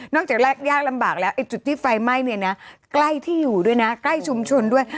จากแรกยากลำบากแล้วไอ้จุดที่ไฟไหม้เนี่ยนะใกล้ที่อยู่ด้วยนะใกล้ชุมชนด้วย